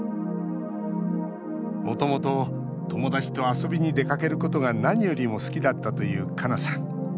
もともと友達と遊びに出かけることが何よりも好きだったというかなさん。